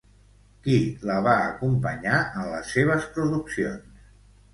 Qui la va acompanyar en les seves produccions?